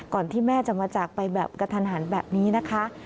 ที่แม่จะมาจากไปแบบกระทันหันแบบนี้นะคะ